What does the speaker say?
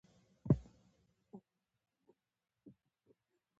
• کنفوسیوس ښایي دین را منځته کړی وي.